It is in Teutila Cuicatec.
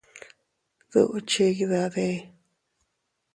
¿Duʼu chidade?